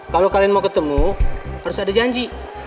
kalau kalian mau ketemu harus ada janji